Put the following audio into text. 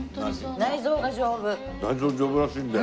内臓丈夫らしいんだよ。